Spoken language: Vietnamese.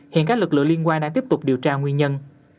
hiện các lực lượng liên quan đang tiếp tục điều tra nguyên nhân